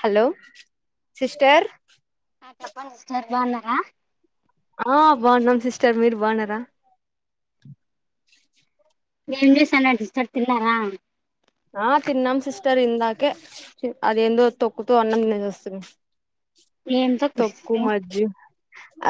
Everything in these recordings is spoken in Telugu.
హలో సిస్టర్ చెప్పండి సిస్టార్ బాగున్నారా ఆ బాగున్నాం సిస్టర్ మీరు బావున్నారా ఏం చేస్తాన్నారు సిస్టర్ తిన్నారా ఆ తిన్నాం సిస్టర్ ఇందాకే అదెందో తొక్కుతు అన్నం తినేసి వస్తి ఏంతో తొక్కు కుర్సు మజ్జి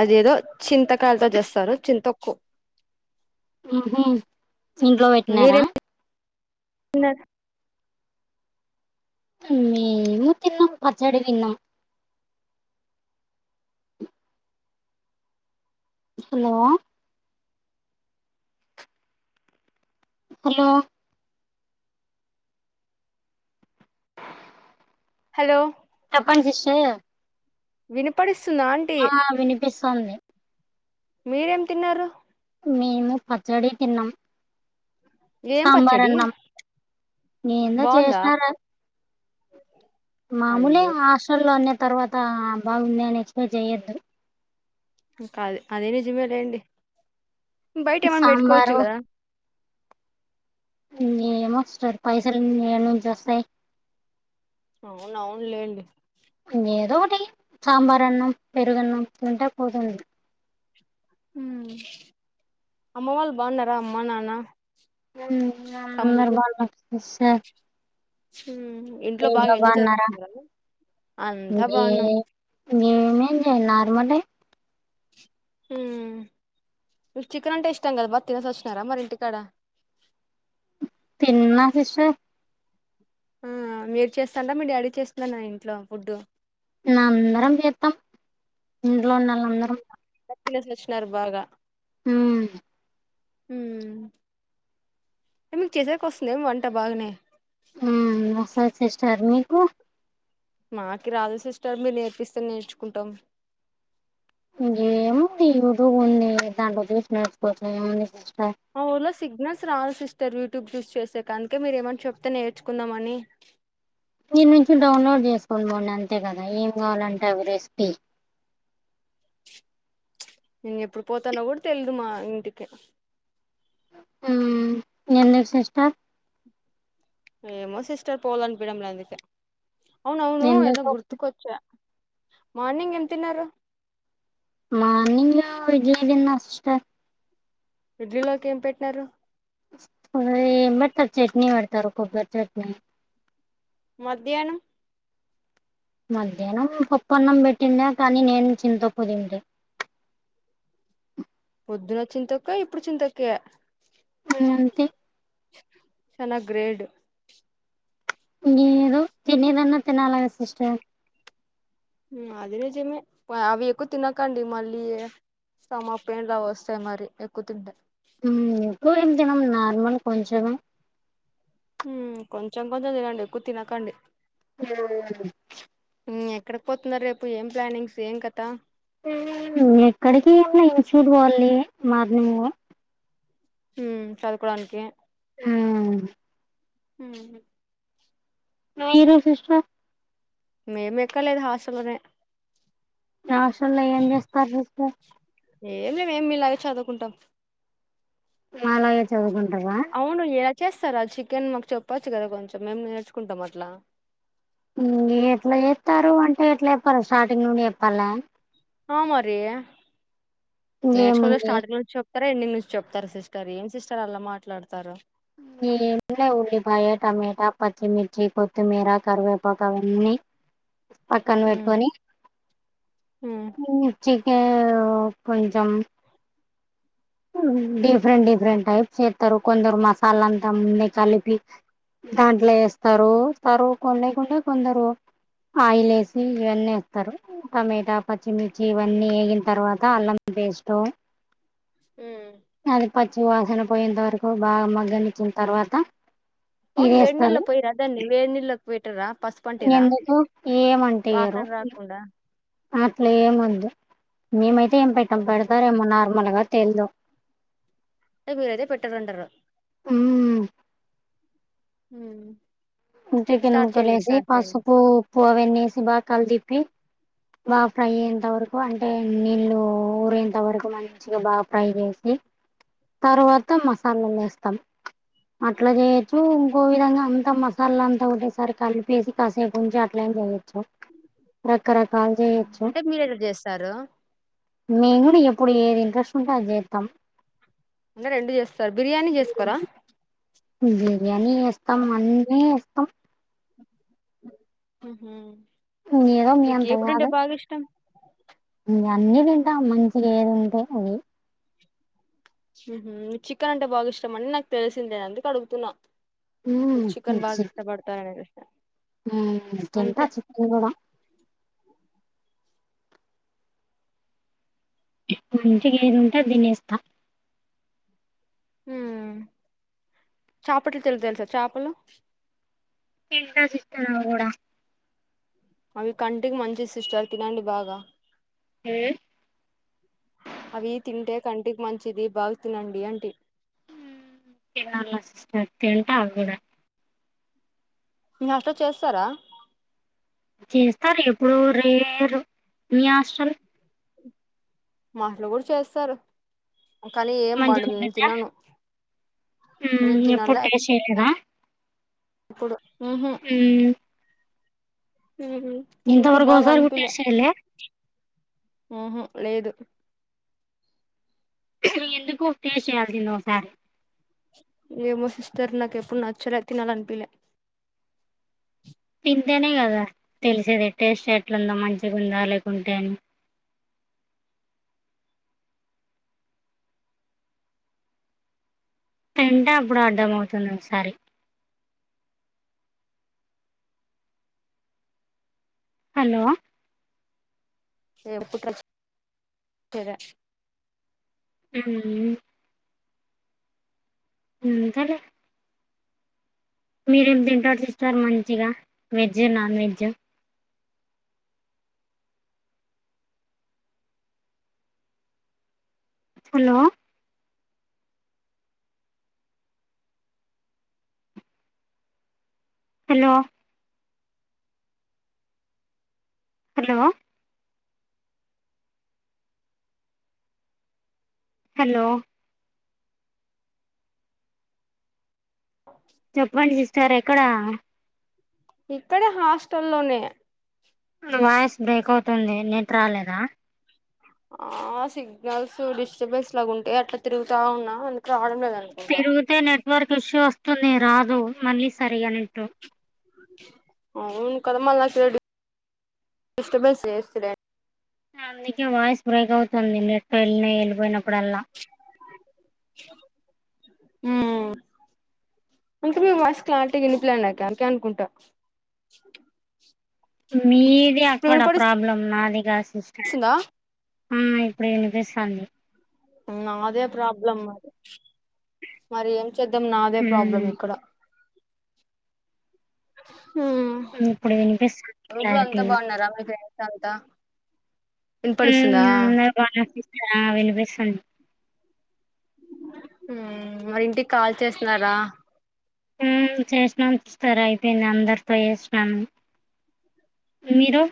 అదేదో చింతకాయాలతో చేస్తారు చింతొక్కు మ హు ఇంట్లో పెట్టినారా న మేము తిన్నాం పచ్చడి తిన్నాం హలో హలో హలో చెప్పండి సిస్టర్ వినపడిస్తుంద ఆ వినిపిస్తుంది మీరేం తిన్నారు మేము పచ్చడి తిన్నాం ఏం సాంబార్ పచ్చడి అన్నాం ఏందో బాగుందా చేసినారు మామూలే అయ్యో హాస్టల్లో అన్న తర్వాత బాగుంది అని ఎక్సపెక్ట్ చేయొద్దు కాదు అదీ నిజమేలే సాంబారు కదా ఏమో సిస్టర్ పైసలు ను ఏడనుంచి వస్తాయి అవునవునులే ఏదో ఒకటి సాంబార్ అన్నం పెరుగన్నం తింటే పోతది మ్ అమ్మ వాళ్ళు బాగున్నారా అమ్మా నాన్న మ్ అందరు తమ్ముడు బాగున్నారు సిస్టర్ మ్ మీరు బాగున్నారా అంతా ఇది బాగున్నాం నేమేం చే నార్మలే మ్ చికెన్ అంటే ఇష్టాం కదా మరితినేసి వచ్చినారా మరి ఇంటికాడ తిన్న సిస్టర్ మ్ మీరు చేస్తారా మీరు డాడీ చేస్తారా ఇంట్లో ఫుడ్ నా అందరం చేత్తం ఇంట్లో ఉండే వాళ్ తినేసి వచ్చినారు బాగా మ్ మ్ మీకు చేసాక వస్తుందేమో వంట బాగా మ్ వస్తాది సిస్టర్ మీకు మాకి రాదు సిస్టర్ మీరు నేర్పిస్తే నేర్చుకుంటాం ఇం ఏముంది యూట్యూబ్ ఉంది దాంట్లో చూసి నేర్చుకోచ్చు ఏముంది సిస్టర్ ఆ ఊర్లో సిగ్నల్స్ రావు సిస్టర్ యూట్యూబ్ చూసి చేసేకని అందుకే మీరు ఏమన్నా చెప్తే నేర్చుందామని నుంచి డౌన్లోడ్ చేసుకోనిపోండి అంతే కదా ఏం కావాలంటే అవి రెసిపీ నేను ఎప్పుడు పోతానో గూడా తెలీదు మా ఇంటికి ఉమ్ ఎందుకు సిస్ ఏమో సిస్టర్ పోవాలిఅనిపియ్యడం లేదు అందుకే అవును అవును ఎదో ఎందుకు గుర్తు కొచ్చా మార్నింగ్ ఎం తిన్నారు మార్నింగ్ ఇడ్లీ తిన్న సిస్టర్ ఇడ్లీలోకి ఏం పెట్టినారు ఎం పెడతారు చట్నీ పేడతారు కొబ్బరి చట్నీ మధ్యాహ్నం మధ్యాహ్నం పప్పన్నం పెట్టిండ్రు కానీ నేను చింత తొక్కు పొద్దున్న చింత తొక్కు ఇప్పుడు చింత తొక్కే ఆ అంతే చానా గ్రేడ్ ఇంగేదో తినేదన్నా తినాలగా సిస్టర్ అది నిజమే అవి ఎక్కువ తినకండి మళ్ళీ స్టమక్ పెయిన్ లా వస్తాయి మరి ఎక్కువ తింటే ఊ ఎప్పుడు ఏం తినం నార్మల్ కొంచెమే ఊ కొంచెం కొంచెం తినండి ఎక్కువ తినకండి ఏం ఉన్నది ఊ ఎక్కడికి పోతున్నారు చెప్పు ఏం ప్లానింగ్స్ ఏం కథ ఉ ఎక్కడికి ఏంలే ఇన్స్టూట్ పోవాలి మార్నింగ్ ఊ చదువుకోడానికి ఉ ఊ మీరు సిస్టర్ మేము ఎక్కలేదు హాస్టల్లోనే రాష్ట్రంలో ఏం చేస్తారు చెప్పు ఏం చెయ్యం మీలాగే చదువుకుంటాం నాలాగే చదువుకుంటవా అవును ఇలా చేస్తర అది చికెన్ మాకు చెప్పొచ్చు కదా కొంచెం మేము నేర్చుకుంటాం అట్లా ఊ ఎట్ల చేత్తరో అంటే ఎట్ల చెప్పాల స్టార్టింగ్ నుండి చెప్పాలా ఆ మరీ నేర్చుకుంట ఏముంది స్టార్టింగ్ నుంచి చెప్ చెప్తారా నుంచి చెప్తారు సిస్టర్ ఏం సిస్టర్ అలా మాట్లాడతారు ఎంలే ఉల్లిపాయ టమాటా పచ్చిమిర్చి కొత్తిమీర కరివేపాక అవన్నీ పక్కన మ్మ్ పేట్టుకని మ్మ్ ఉ చికెన్ కొంచెం డిఫరెంట్ డిఫరెంట్ టైప్స్ ఏత్తరు కొందరు మసాలా అంతా ముందే కలిపి దాంట్లొ ఏస్తరూ స్తరువు కొన లేకుండా కొందరు ఆయిలేసి ఇవన్నీ ఏస్తరు టమేటా పచ్చిమిర్చి ఇవన్నీ ఏగిన తర్వాత అల్లం పేస్టు ఊ అది పచ్చి వాసన పోయేంత వరకు బాగ మగ్గనిచ్చిన తర్వాత అవును ఇదేస్తారు వేడినీల్లో పోయ దాన్ని వేడినీల్లోకి పెట్టరా పసుపు అంటిర్రా ఎందుకు వాసన రాకుండా అట్లే మొద్దు మేమైతే ఏం పెట్టం ఓహో. పెడతారేమో నార్మల్ గా తెలియదు అంటే మీరయితే పెట్టరంటారు ఊ మ్ చికెన్ ముక్కలు వేసి పసుపు ఉప్పు అవన్నీ వేసి బాగా కలి తిప్పి బాగా ఫ్రై అయేంత వరకు అంటే నీళ్లూ ఊరేంత వరకు మంచిగా బాగా ఫ్రై చేస్ మ్ తర్వాత మసాలాలేస్తం అట్ల చేయొచ్చు ఇంకో విదంగా అంత మసా మల్లంతా ఒకటేసారి కలిపేసి కాసేపుంచి అట్లేం చేయొచ్చు రకరకాలు ఉమ్. చేయొచ్చు అంటే మీరెలా చేస్తారు మేమ్ కూడా ఎప్పుడు ఏది ఇంట్రెస్ట్ ఉంటే అది చేస్తాం అంటే రెండు చేస్తారు బిర్యానీ చేసుకోరా బిర్యానీ ఏస్తాం అన్నీ ఏస్తాం ఊహు ఏదో మీ మీకు ఏ ఫుడ్ అంటే బాగా ఇష్టం అన్నీ తింటాం మంచిగ ఏది ఉంటే అది ఊహు నీకు చికెన్ అంటే బాగా ఇష్టమని నాకు తెలిసిందే అందుకు అడుగుతున్నా ఉమ్, మీరు చికన్ బాగ ఇష్టపడతారని పెట్టిన మ్ తింటా చికెన్ కూడా ఇప్పుడు నుంచి ఏది ఉంటే అది తినేస్తా మ్ చేపలతెలు తెలుసా చేపలు తింట చికెన్ కూడా అవి కంటికి మంచివి సిస్టర్ తినండి బాగా మ్ అవి తింటే కంటికి మంచిది బాగు తినండి అంటి తింట అవి కూడా నాతో చేస్తారా చేస్తారు ఎప్పుడో రేరు మీ హాస్టల్ మాటలు కూడా చేస్తారు కానీ ఏం మంచిగా బాగుండదు నేను ఉంటుందా తినను నేను తినాల ఎక్కడ ఇప్పుడు ఊహు మ్ ఊహు ఇంతవరకు ఒకసారి గూడ టేస్ట్ చేయలే ఊహు లేదు నువ్వు ఎందుకు టేస్ట్ చేయాల్సింది ఒకసారి ఏమో సిస్టర్ నాకు ఎప్పుడు నాచ్చలే తినాలి అనిపిలే తింటేనే కదా తెలిసేది టేస్ట్ ఎట్లుందో మంచిగా ఉందా లేకుంటే అని తింటే అప్పుడు అర్థం అవుతుంది ఒకసారి హలో [unintelligible] మ్ యూ మ్ అంతేలే మీరేం తింటారు ఇస్తారు మంచిగా veg non veg hello hello hello hello చెప్పండి సిస్టార్ ఎక్కడ ఇక్కడే హాస్టల్లోనే వాయిస్ బ్రేక్ అవుతుంది నెట్ రాలేదా ఆ సిగ్నల్స్ డిస్టర్బెన్స్ లాగా ఉంటాయి అట్లా తిరుగుతా ఉన్నా అందుకు రావడం లేదు అనుకుంటా తిరిగితే నెట్వర్క్ ఇష్యూ వస్తుంది రాదు మళ్ళీ సరిగా నెట్ అవును కద మల్ డిస్టబెన్స్ చేస్త అందుకే వాయిస్ బ్రేక్ అవుతుంది నెట్ వెళ్ళ వెళ్ళిపోయినప్పుడల్లా హ ఇంకా మీ వాయిస్ క్లారిటీ వినిపిలే అందుకే అనుకుంటా మీది అక్కడ ప్రాబ్లం నాది కాదు సిస్ వస్తుంద ఆ ఇప్పుడు వినిపిస్తుంది నాదే ప్రాబ్లం మరి మరి ఏం చేద్దాం నాదే ప్రాబ్లం ఉమ్ ఇక్కడ హ ఇప్పుడు వినిపిస్తుంది రూమ్లో అంతా క్లారిటీగా బాగున్నారా మీ ఫ్రెండ్స్ అంతా విన్ పడుసుతుందా ఆ బానే ఆ వినిపిస్తుంది మరి ఇంటికి కాల్ చేస్తున్నారా ఉమ్ చేసినం సిస్టర్ అయిపోయింది అందరితో చేసినం మీరు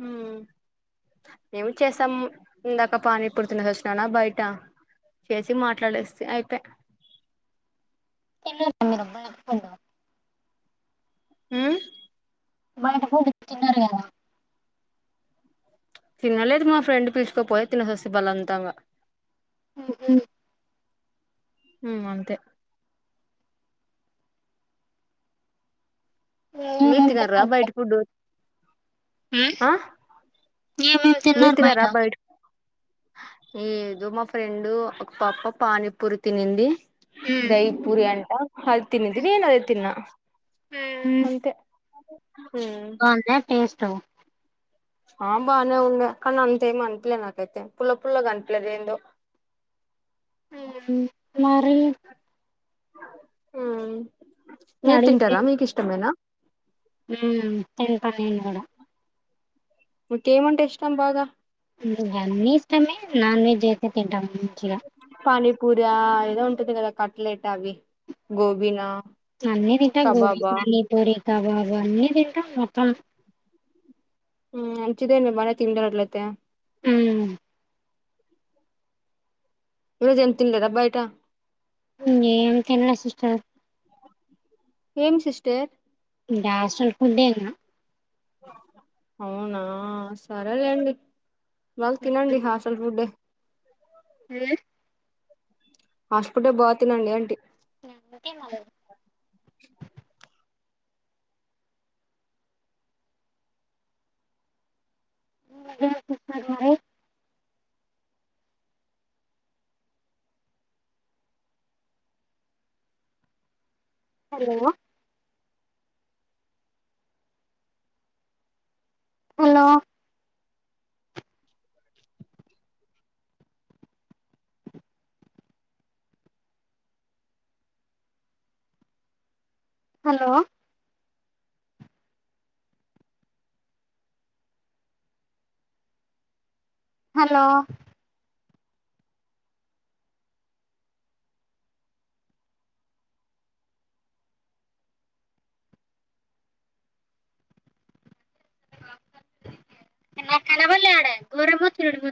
హ్ మేము చేసాం ఇందాక పానీ పూరి తినేసి వచ్చినాన బయట చేసి మాట్లాడేస్తి అయిపయ్ తినరేమో మీరు బయట ఫుడ్ హ్ బయట ఫుడ్డు తినరేమో తినలేదు మా ఫ్రెండ్ పిలుచుకపోయి తినసొస్తుంది బలంతంగా ఉ హ్మ్ అంతే మీరు ఏమేమి తినరా తిన్నారు బయటి ఫుడ్ ఆ ఎమ్ మీరు తినరా బయటి ఫుడ్ ఏదో మా ఫ్రైండ్ ఒక పాప పానీపూరి తినింది దాయి పూరి అంటా అది తినింది నేను అదే తిన్నా అంతే హ్ అదే టేస్ట్ ఆ బాగానే ఉండే కానీ అంతే ఏమ్ అనిపియ్యలే నాకైతే పుల్ల పుల్లగా అనిపియ్యలే ఏందో మరి మీరు తింటారా మీకు ఇష్టమేనా ఉ తింటా నేను కూడా మీకేమంటే ఇష్టం బాగా అన్ని ఇష్టమే నాన్ వెజ్ అయితే తింటాము మంచిగా పానీపూరి ఆ ఏదో ఉంటుంది కదా కట్లెట్ అవి గోబీనా అన్ని తింటాం గోబీ కబాబా పానీపూరి కబాబు అన్ని తింటాం మొత్తం మంచిదేనండి మన తిండి అట్లతే హ్మ్ ఈరోజు ఏం తిన్నలేదా బయట ఏం తిన్లే సిస్టర్ ఏం సిస్టర్ ఇంగ హాస్టల్ ఫుడ్డేనా అవునా సరేలేండి వాళ్ళు తినండి హాస్టల్ ఫుడే ఉ హాస్పిటే బాగా తినండి ఏంటి అందుకే హుహు తరువాతే హలో హలో హలో హలో నాకు కనబడలే ఆడ గోర్రే మోతుకున్నట్టు మొ